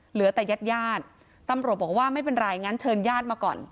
เหลือแต่ญาติญาติตำรวจบอกว่าไม่เป็นไรงั้นเชิญญาติมาก่อน